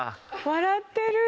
笑ってる！